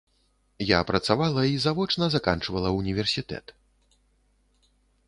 Я працавала і завочна заканчвала ўніверсітэт.